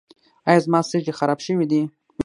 ایا زما سږي خراب شوي دي؟